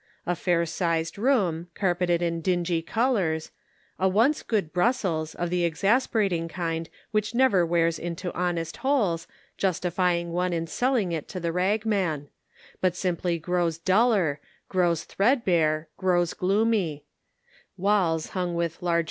A fair sized room, carpeted in dingy colors ; a once good Brussels, of the exasperating kind which never wears into honest holes, justifying one in selling it to the rag man ; but simply grows duller, grows threadbare, grows gloomy; walls hung with 412 Measured in Prose.